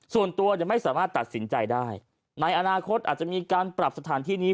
ส่วนตัวไม่สามารถตัดสินใจได้ในอนาคตอาจจะมีการปรับสถานที่นี้